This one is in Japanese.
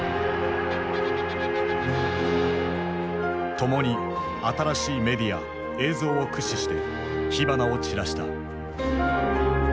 共に新しいメディア・映像を駆使して火花を散らした。